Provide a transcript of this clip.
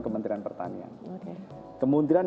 kementerian pertanian kemudian